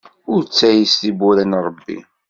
Ur ttayes tibbura n Ṛebbi!